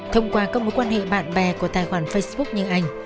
thông qua các mối quan hệ bạn bè của tài khoản facebook như anh